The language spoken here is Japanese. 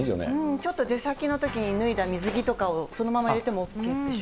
ちょっと出先のときに脱いだ水着とかをそのまま入れてもＯＫでしょ。